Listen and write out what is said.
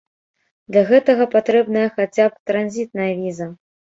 Для гэтага патрэбная хаця б транзітная віза.